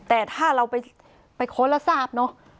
แต่ถ้าเราไปค้นแล้วทราบเนอะ